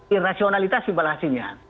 irrasionalitas simpel hasilnya